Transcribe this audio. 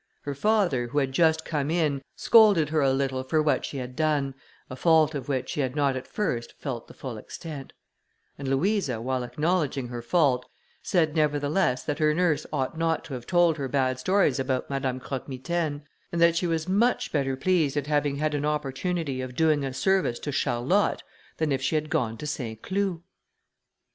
Her father, who had just come in, scolded her a little for what she had done, a fault of which she had not at first felt the full extent; and Louisa, while acknowledging her fault, said, nevertheless, that her nurse ought not to have told her bad stories about Madame Croque Mitaine, and that she was much better pleased at having had an opportunity of doing a service to Charlotte than if she had gone to St. Cloud.